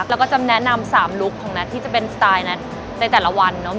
แล้วก็จะแนะนำ๓ลุคของนัทที่จะเป็นสไตล์นั้นในแต่ละวันเนอะ